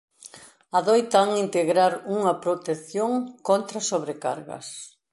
Adoitan integrar unha protección contra sobrecargas.